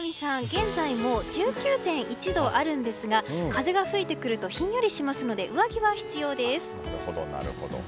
現在も１９．１度あるんですが風が吹いてくるとひんやりしますので上着は必要です。